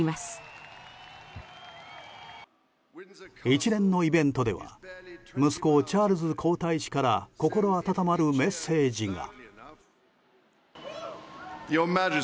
一連のイベントでは息子チャールズ皇太子から心温まるメッセージが。